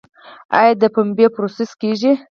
آیا د پنبې پروسس کیږي؟